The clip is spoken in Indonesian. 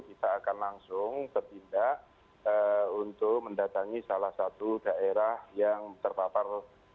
kita akan langsung bertindak untuk mendatangi salah satu daerah yang terpapar